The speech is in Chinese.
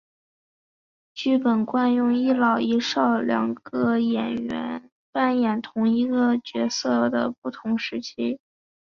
本剧惯用一老一少两个演员扮演同一个角色的不同时期。